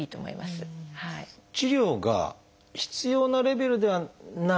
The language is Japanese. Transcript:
治療が必要なレベルではないと。